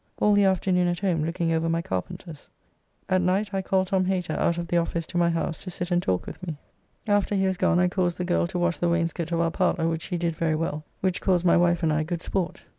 All the afternoon at home looking over my carpenters. At night I called Thos. Hater out of the office to my house to sit and talk with me. After he was gone I caused the girl to wash the wainscot of our parlour, which she did very well, which caused my wife and I good sport.